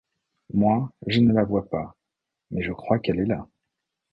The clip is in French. Moi, je ne la vois pas ; mais je crois qû’elle est là.